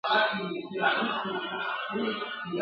پسرلی به راته راوړي په اورغوي کي ګلونه ..